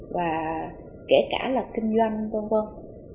và kể cả là kinh doanh vân vân